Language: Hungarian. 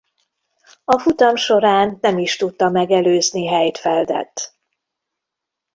A futam során nem is tudta megelőzni Heidfeldet.